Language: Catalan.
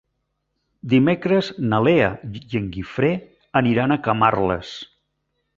Dimecres na Lea i en Guifré aniran a Camarles.